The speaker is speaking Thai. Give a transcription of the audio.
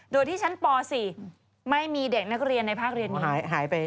โดยที่ชั้นป๔ไม่มีเด็กนักเรียนในภาคเรียนหายไป